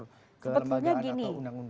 ke lembagaan atau undang undang